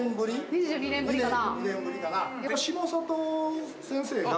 「２２年ぶりかな」